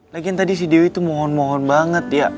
lagi tadi si dewi tuh mohon mohon banget ya